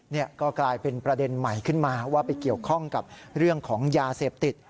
นี่ก็กลายเป็นประเด็นใหม่ขึ้นมาว่าไปเกี่ยวข้องกับเรื่องของยาเสพติด